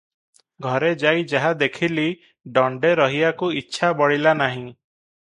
ଘରେ ଯାଇ ଯାହା ଦେଖିଲି, ଦଣ୍ଡେ ରହିବାକୁ ଇଚ୍ଛା ବଳିଲା ନାହିଁ ।